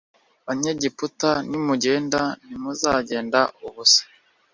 banyegiputa nimugenda ntimuzagenda ubusa